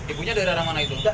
ibunya dari arah mana itu